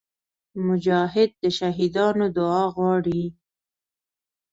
مجاهد د شهیدانو دعا غواړي.